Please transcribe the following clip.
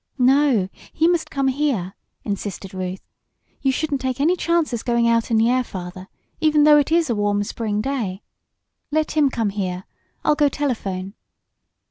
"No, he must come here!" insisted Ruth. "You shouldn't take any chances going out in the air, Father, even though it is a warm spring day. Let him come here. I'll go telephone."